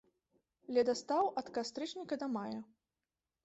Ледастаў ад кастрычніка да мая.